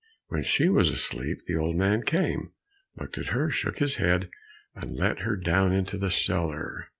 When she was asleep the old man came, looked at her, shook his head, and let her down into the cellar.